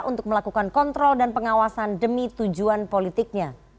untuk melakukan kontrol dan pengawasan demi tujuan politiknya